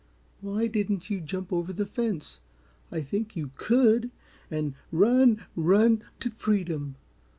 "Why didn't you jump over the fence I think you COULD and run, run, to freedom?"